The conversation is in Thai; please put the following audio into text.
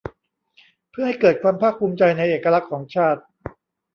เพื่อให้เกิดความภาคภูมิใจในเอกลักษณ์ของชาติ